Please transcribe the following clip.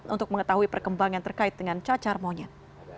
untuk mengetahui perkembangan terkait dengan cacar monyet